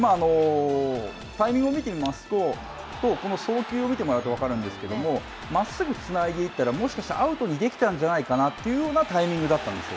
タイミングを見てみますとこの送球を見てもらうと分かるんですけれども、まっすぐつないでいったらもしかしたらアウトにできたんじゃないかなというようなタイミ